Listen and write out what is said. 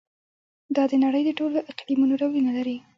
دا د نړۍ د ټولو اقلیمونو ډولونه لري.